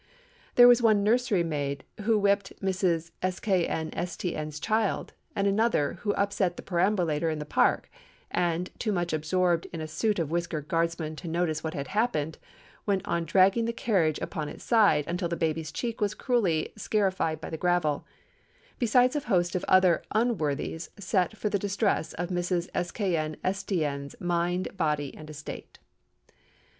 There was one nursery maid who whipped Mrs. S k n s t n's child, and another who upset the perambulator in the park, and, too much absorbed in the suit of a whiskered Guardsman to note what had happened, went on dragging the carriage upon its side until the baby's cheek was cruelly scarified by the gravel—besides a host of other _un_worthies set for the distress of Mrs. S k n s t n's mind, body, and estate.